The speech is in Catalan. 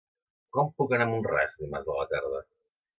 Com puc anar a Mont-ras dimarts a la tarda?